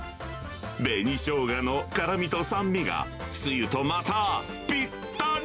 紅ショウガの辛みと酸味がつゆとまたぴったり！